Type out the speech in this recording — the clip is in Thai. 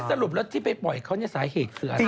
สรุปแล้วที่ไปปล่อยเขาในสายเขกเสือน